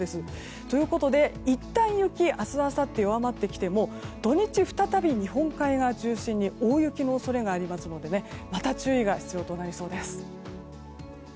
ということでいったん雪が明日あさって弱まってきても土日、再び日本海側を中心に大雪の恐れがありますのでまた注意が必要となりそうです。